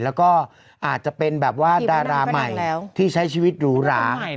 แล้วก็อาจจะเป็นแบบว่าดาราใหม่ที่ใช้ชีวิตหรูหรา